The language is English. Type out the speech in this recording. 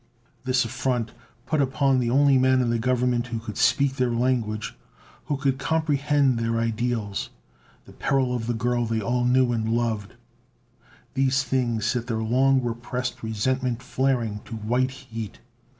This affront put upon the only man in the Government who could speak their language, who could comprehend their ideals: the peril of the girl they all knew and loved: these things set their long repressed resentment flaring to white heat.